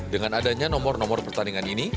dengan adanya nomor nomor pertandingan ini